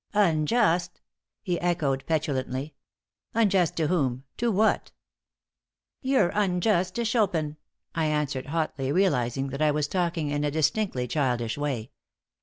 "Unjust!" he echoed, petulantly. "Unjust to whom to what?" "You're unjust to Chopin," I answered, hotly, realizing that I was talking in a distinctly childish way.